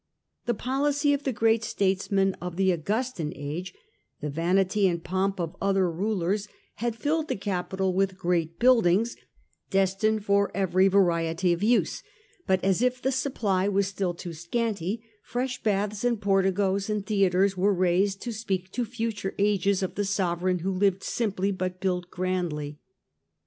The policy of the great statesmen of the Augustan age, the vanity and pomp of other rulers, had filled the capital with great buildings destined for every variety of use ; but as if the supply was still ^ too scanty, fresh baths and porticoes and ^ theatres were raised to speak to future ages of the sovereign who lived simply but built grandly.